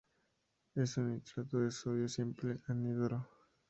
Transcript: Es un nitrato de sodio simple, anhidro.